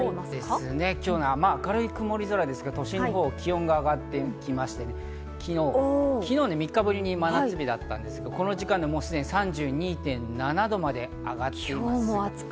今日は明るい曇り空ですが、都心のほう気温が上がって、昨日３日ぶりに真夏日だったんですけど、この時間すでに３２．７度まで上がっています。